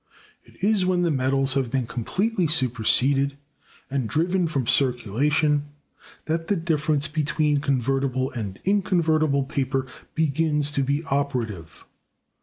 It is when the metals have been completely superseded and driven from circulation that the difference between convertible and inconvertible paper begins to be operative.